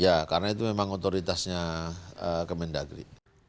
ya karena itu memang otoritasnya kementerian dalam negeri